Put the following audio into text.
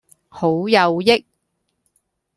好有益